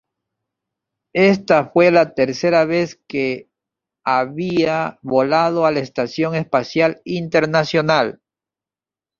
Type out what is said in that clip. Esta fue la tercera vez que había volado a la Estación Espacial Internacional.